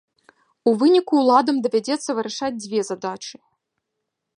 У выніку ўладам давядзецца вырашаць дзве задачы.